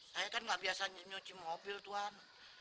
saya nyunjung nyunjung mobil tuan